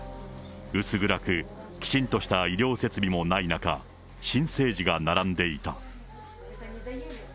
薄暗く、きちんとした医療設備もない中、新生児が並んでいた。